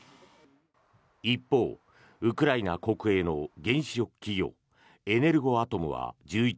一方、ウクライナ国営の原子力企業エネルゴアトムは１１日